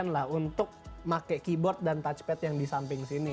nah kalau kita lihat ini adalah penyesuaian untuk keyboard dan touchpad yang di samping sini